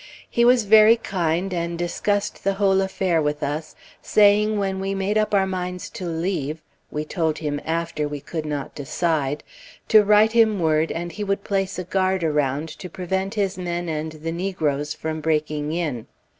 He was very kind, and discussed the whole affair with us, saying when we made up our minds to leave, we told him after we could not decide, to write him word, and he would place a guard around to prevent his men and the negroes from breaking in.